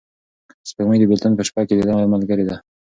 سپوږمۍ د بېلتون په شپه کې د ده ملګرې ده.